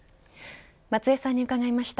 松江さんに伺いました。